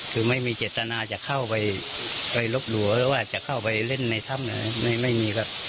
คือไม่มีเจตนาจะเข้าไปลบหลู่หรือว่าจะเข้าไปเล่นในถ้ำไม่มีครับ